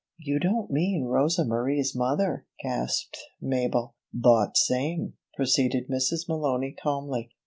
"You don't mean Rosa Marie's mother!" gasped Mabel. "Thot same," proceeded Mrs. Malony, calmly.